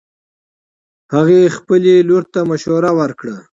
هغې خبلې لور ته مشوره ورکړه